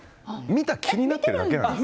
見た気になってるだけなんです。